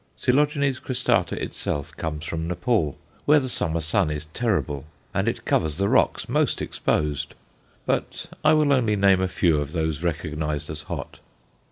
Coel. cristata itself comes from Nepaul, where the summer sun is terrible, and it covers the rocks most exposed. But I will only name a few of those recognized as hot.